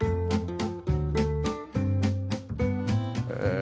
え